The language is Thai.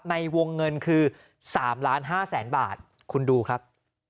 ในวงเงินคือ๓๕๐๐๐๐บาทคุณดูครับ